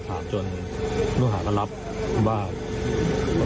สัก๓จนผู้หารับว่า